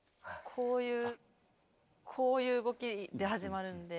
こういうこういう動きで始まるんで。